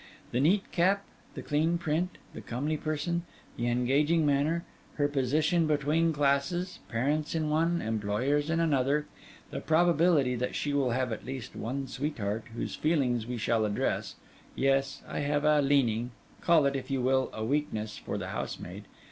The neat cap, the clean print, the comely person, the engaging manner; her position between classes, parents in one, employers in another; the probability that she will have at least one sweet heart, whose feelings we shall address:—yes, I have a leaning—call it, if you will, a weakness—for the housemaid.